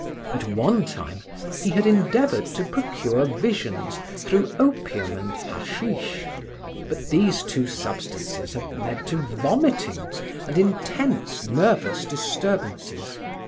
At one time he had endeavored to procure visions through opium and hashish, but these two substances had led to vomitings and intense nervous disturbances.